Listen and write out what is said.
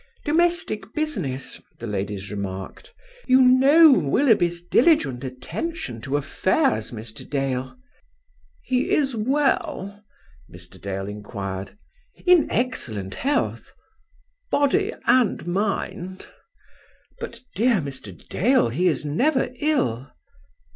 "Domestic business," the ladies remarked. "You know Willoughby's diligent attention to affairs, Mr. Dale." "He is well?" Mr. Dale inquired. "In excellent health." "Body and mind?" "But, dear Mr. Dale, he is never ill."